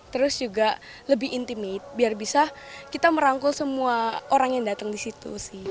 terus juga lebih intimit biar bisa kita merangkul semua orang yang datang disitu sih